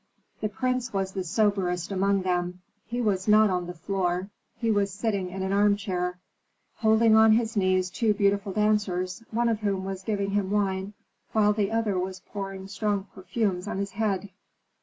The prince was the soberest among them. He was not on the floor, he was sitting in an armchair, holding on his knees two beautiful dancers, one of whom was giving him wine, while the other was pouring strong perfumes on his head.